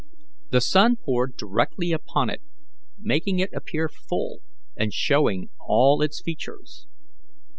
The sun poured directly upon it, making it appear full and showing all its features.